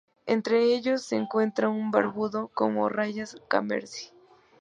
Entre ellos se encuentra un barbudo como rayas carmesí.